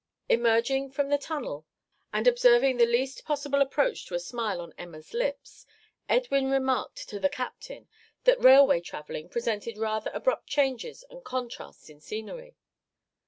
Emerging from the tunnel, and observing the least possible approach to a smile on. Emma's lips, Edwin remarked to the captain that railway travelling presented rather abrupt changes and contrasts in scenery.